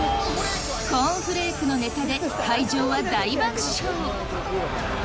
コーンフレークのネタで会場は大爆笑！